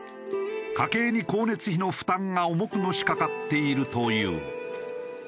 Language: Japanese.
家計に光熱費の負担が重くのしかかっているという。